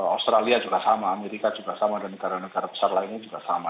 australia juga sama amerika juga sama dan negara negara besar lainnya juga sama